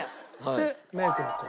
でメイクの子。